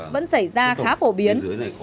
vẫn xảy ra khá phổ biến